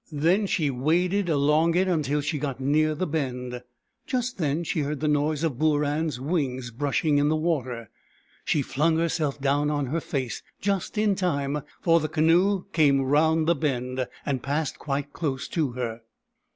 Then she waded along it until she got near the bend. Just then she heard the noise of Booran's wings brushing in the water. She flung herself down on her face — just in time, for the canoe came round S.A.B. G 98 BOORAN, THE PELICAN the bend, and passed quite close to her.